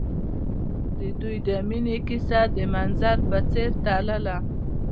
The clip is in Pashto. د دوی د مینې کیسه د منظر په څېر تلله.